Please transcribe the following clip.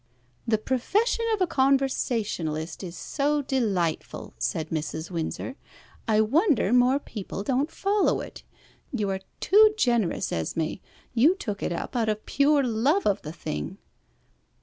"The profession of a conversationalist is so delightful," said Mrs. Windsor, "I wonder more people don't follow it. You are too generous, Esmé; you took it up out of pure love of the thing."